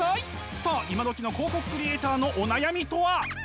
さあ今どきの広告クリエーターのお悩みとは。